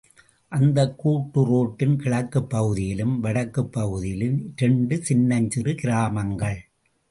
அந்த கூட்டு ரோட்டின் கிழக்குப் பகுதியிலும், வடக்குப் பகுதியிலும் இரண்டு சின்னஞ்சிறு கிராமங்கள்.